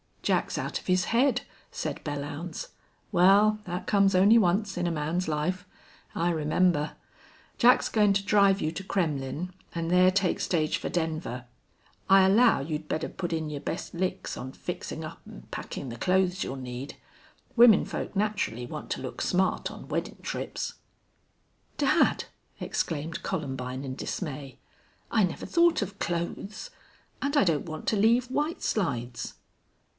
"Jack's out of his head," said Belllounds. "Wal, thet comes only onct in a man's life. I remember ... Jack's goin' to drive you to Kremmlin' an' ther take stage fer Denver. I allow you'd better put in your best licks on fixin' up an' packin' the clothes you'll need. Women folk naturally want to look smart on weddin' trips." "Dad!" exclaimed Columbine, in dismay. "I never thought of clothes. And I don't want to leave White Slides."